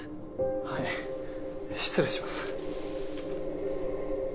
はい失礼します。